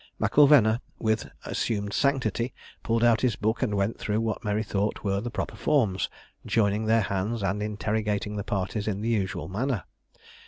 M'Ilvena, with assumed sanctity, pulled out his book, and went through what Mary thought were the proper forms, joining their hands, and interrogating the parties in the usual manner.